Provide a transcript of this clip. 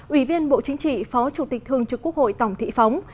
ủy viên bộ chính trị phó chủ tịch thường trực quốc hội tổng thị phóng